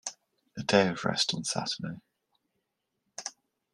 A day of rest on Saturday.